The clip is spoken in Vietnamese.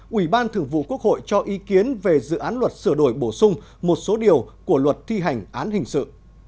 quỷ văn thượng vụ quốc hội cho ý kiến về dự án luật sửa nổi bổ sung một số điều của luật thi hành án hình sự